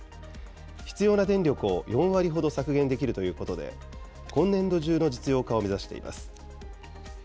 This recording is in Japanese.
必要な電力を４割ほど削減できるということで、今年度中の実用化を目指しています。